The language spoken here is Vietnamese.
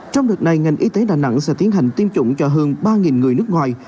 trong đợt này ngành y tế đà nẵng sẽ tiến hành tiêm chủng cho hơn ba người nước ngoài